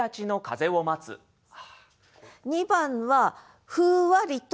２番は「ふうわりと」